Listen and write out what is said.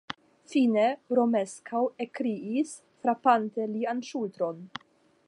Fine Romeskaŭ ekkriis, frapante lian ŝultron.